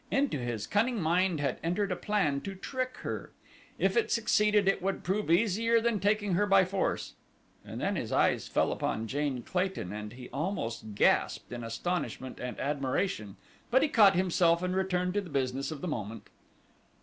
Into his cunning mind had entered a plan to trick her. If it succeeded it would prove easier than taking her by force, and then his eyes fell upon Jane Clayton and he almost gasped in astonishment and admiration, but he caught himself and returned to the business of the moment.